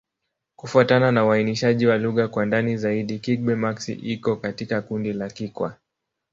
Kufuatana na uainishaji wa lugha kwa ndani zaidi, Kigbe-Maxi iko katika kundi la Kikwa.